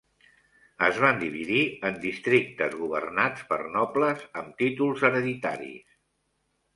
Es van dividir en districtes governats per nobles amb títols hereditaris.